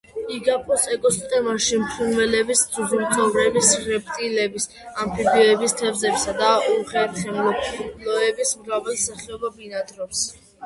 იგაპოს ეკოსისტემაში ფრინველების, ძუძუმწოვრების, რეპტილიების, ამფიბიების, თევზებისა და უხერხემლოების მრავალი სახეობა ბინადრობს.